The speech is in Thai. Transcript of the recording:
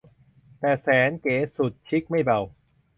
แต่แสนเก๋สุดชิคไม่เบา